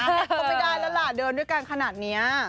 ก็ไม่ได้แล้วล่ะเดินด้วยกันขนาดนี้